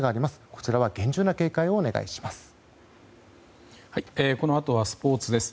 こちらは厳重な警戒をお願いします。